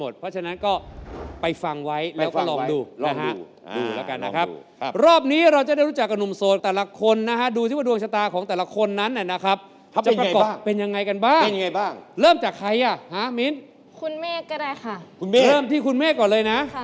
เดี๋ยวนี้มันทำงานง่าย